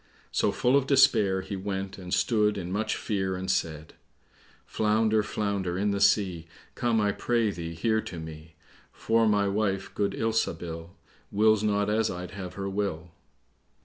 So, full of despair, he went and stood in much fear and said, "Flounder, flounder in the sea, Come, I pray thee, here to me;" For my wife, good Ilsabil, Wills not as I'd have her will.